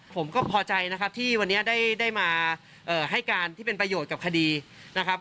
ผมก็พอใจนะครับที่วันนี้ได้มาให้การที่เป็นประโยชน์กับคดีนะครับ